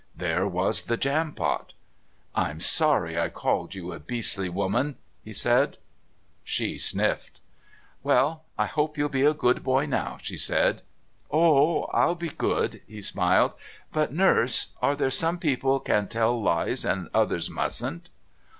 There was the Jampot. "I'm sorry I called you a beastly woman," he said. She sniffed. "Well, I hope you'll be a good boy now," she said. "Oh, I'll be good," he smiled. "But, Nurse, are there some people can tell lies and others mustn't?"